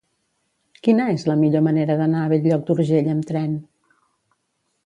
Quina és la millor manera d'anar a Bell-lloc d'Urgell amb tren?